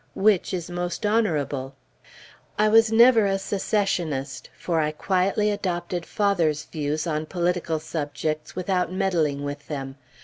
Which is most honorable? I was never a Secessionist, for I quietly adopted father's views on political subjects without meddling with them.